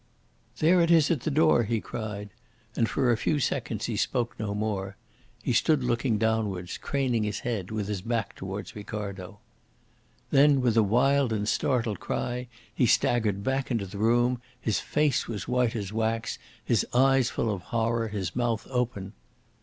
"There it is at the door," he said; and for a few seconds he spoke no more. He stood looking downwards, craning his head, with his back towards Ricardo. Then, with a wild and startled cry, he staggered back into the room. His face was white as wax, his eyes full of horror, his mouth open.